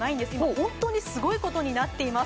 本当にすごいことになっています。